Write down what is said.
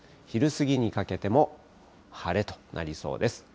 昼過ぎにかけても晴れとなりそうです。